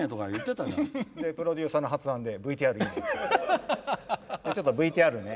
プロデューサーの発案で「ＶＴＲいいね。